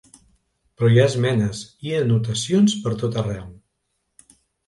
Però hi ha esmenes i anotacions pertot arreu.